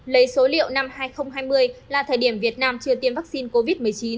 lấy số liệu năm hai nghìn hai mươi là thời điểm việt nam chưa tiêm vaccine covid một mươi chín